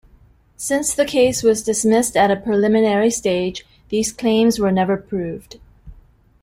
Since the case was dismissed at a preliminary stage, these claims were never proved.